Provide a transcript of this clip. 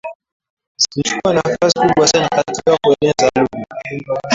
zilichukua nafasi kubwa sana katika kueneza lugha